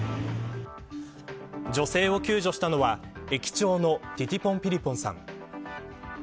女性を救助したのは駅長のティティポン・ピリポンさん。